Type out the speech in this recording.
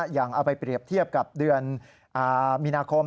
อย่างเอาไปเปรียบเทียบกับเดือนมีนาคม